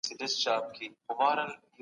سياسي څېړونکي د تګلارو په اړه يووالی نه لري.